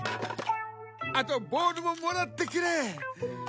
あとボールももらってくれ。